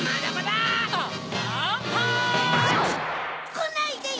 こないでよ！